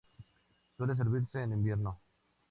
Suele servirse en invierno.